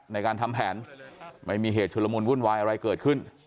ในการทำแผนไม่มีเหตุชุลมุนวุ่นวายอะไรเกิดขึ้น